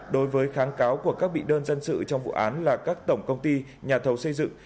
đối với kháng cáo của các bị đơn dân sự trong vụ án là các tổng công ty nhà thầu xây dựng